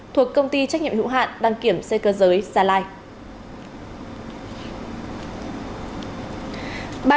thuộc công ty trách nhiệm hữu hạn đăng kiểm xe cơ giới gia lai